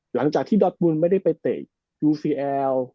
หลังจากที่ดอสบุญไม่ได้ไปเตะยูซีแอล